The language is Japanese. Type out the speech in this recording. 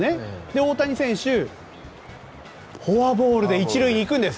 大谷選手、フォアボールで１塁に行くんです。